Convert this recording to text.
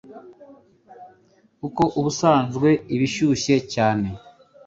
kuko ubusanzwe iba ishyushye cyane.